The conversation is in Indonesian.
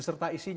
termasuk ini gak